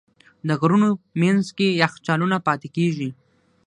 د غرونو منځ کې یخچالونه پاتې کېږي.